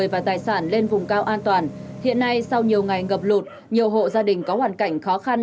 vùng cao an toàn hiện nay sau nhiều ngày ngập lụt nhiều hộ gia đình có hoàn cảnh khó khăn